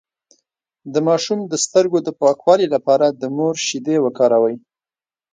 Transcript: د ماشوم د سترګو د پاکوالي لپاره د مور شیدې وکاروئ